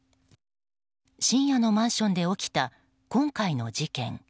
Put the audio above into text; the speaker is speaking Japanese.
深夜のマンションで起きた今回の事件。